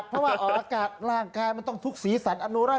เพราะว่าอากาศร่างกายมันต้องทุกสีสันบรรยากาศ